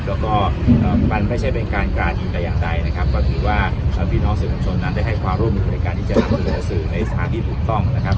แล้วก็มันไม่ใช่เป็นการกราดยิงแต่อย่างใดนะครับก็ถือว่าพี่น้องสื่อมวลชนนั้นได้ให้ความร่วมมือในการที่จะนำเสนอสื่อในสถานที่ถูกต้องนะครับ